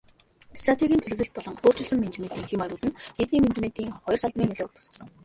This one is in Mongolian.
Стратегийн төлөвлөлт болон өөрчилсөн менежментийн хэв маягууд нь нийтийн менежментийн хоёр салбарын нөлөөг тусгасан.